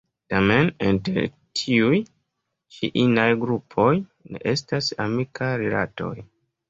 Tamen, inter tiuj ĉi inaj grupoj, ne estas amikaj rilatoj.